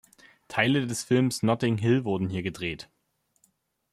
Teile des Films Notting Hill wurden hier gedreht.